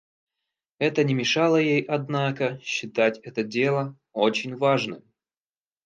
Это не мешало ей однако считать это дело очень важным.